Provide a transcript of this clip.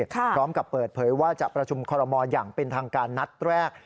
พร้อมกับเปิดเผยว่าจะประชุมคอรมอลอย่างเป็นทางการนัดแรก